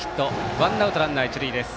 ワンアウト、ランナー、一塁です。